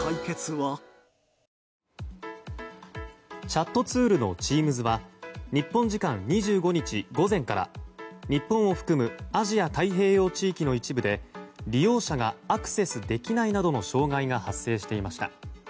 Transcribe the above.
チャットツールのＴｅａｍｓは日本時間２５日午前から日本を含むアジア太平洋地域の一部で利用者がアクセスできないなどの障害が発生していました。